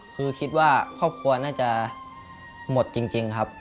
คือคิดว่าครอบครัวน่าจะหมดจริงครับ